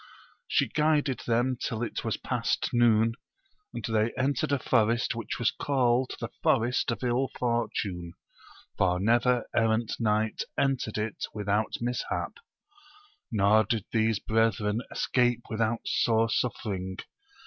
She guided them till it was past noon, and they entered a forest which was called the Forest of 111 Fortune, for never errant knight entered it without mishap ; nor did these brethren escape without sore suffering.